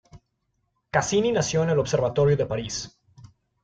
Cassini nació en el observatorio de París.